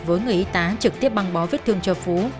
với người y tá trực tiếp băng bó vết thương cho phú